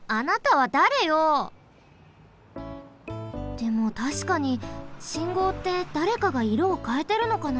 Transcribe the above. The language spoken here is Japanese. でもたしかに信号ってだれかがいろをかえてるのかな？